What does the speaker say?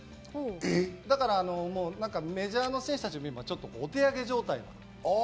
だからメジャーの選手たちも今、お手上げ状態。